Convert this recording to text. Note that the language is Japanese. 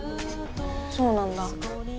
そうなんだ。